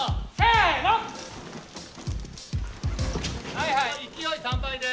はいはい勢い３倍で。